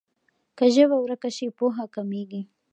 که ژبه ورکه سي پوهه کمېږي.